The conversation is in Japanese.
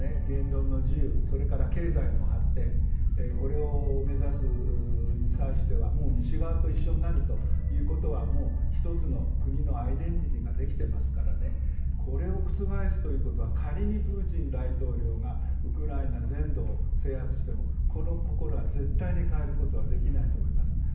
言論の自由それから経済の発展を目指すに際しては西側と一緒になるということは１つの国のアイデンティティーができていますからこれを覆すということは仮にプーチン大統領がウクライナ全土を制圧してもこの心は絶対に変えることはできないと思います。